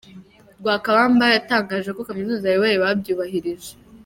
Lwakabamba yatangaje ko kaminuza ayoboye babyubahirije.